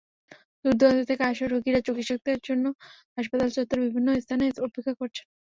দূর-দুরান্ত থেকে আসা রোগীরা চিকিৎসকদের জন্য হাসপাতাল চত্বরের বিভিন্ন স্থানে অপেক্ষা করছেন।